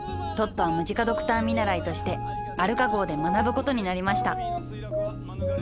トットはムジカドクター見習いとしてアルカ号で学ぶことになりました